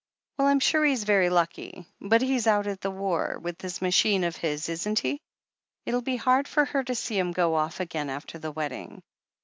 Well, I'm sure he's very lucky. But he's out at the war, with this machine of his, isn't he? It'll be hard for her to see him go off again after the wedding."